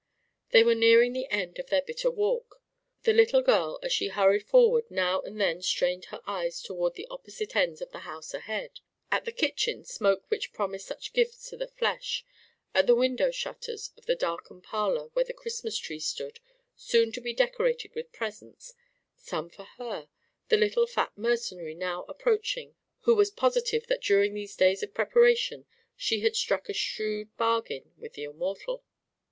They were nearing the end of their bitter walk. The little girl as she hurried forward now and then strained her eyes toward the opposite ends of the house ahead; at the kitchen smoke which promised such gifts to the flesh; at the window shutters of the darkened parlor where the Christmas Tree stood, soon to be decorated with presents: some for her the little fat mercenary now approaching who was positive that during these days of preparation she had struck a shrewd bargain with the Immortal.